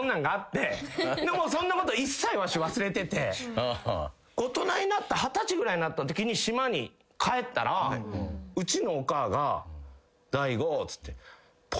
そんなこと一切わし忘れてて大人になった二十歳ぐらいになったときに島に帰ったらうちのおかあが「大悟」